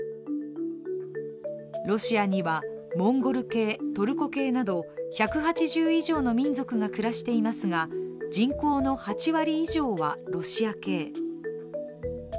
ロシアには、モンゴル系、トルコ系など１８０以上の民族が暮らしていますが人口の８割以上はロシア系。